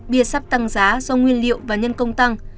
bia sắp tăng giá do nguyên liệu và nhân công tăng